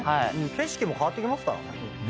景色も変わってきますからね。